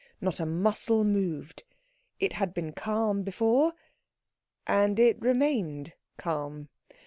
Not a muscle moved. It had been calm before, and it remained calm.